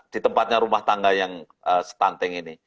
di tempatnya rumah tangga yang stunting ini